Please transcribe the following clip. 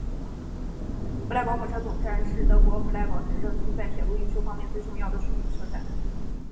弗赖堡火车总站是德国弗赖堡行政区在铁路运输方面最重要的枢纽车站。